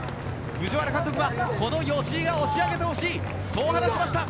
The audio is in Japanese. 藤原監督はこの吉居が押し上げてほしいそう話しました。